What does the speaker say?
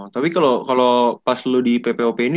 tapi kalau pas lu di ppop ini